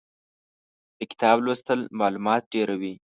د کتاب لوستل مالومات ډېروي.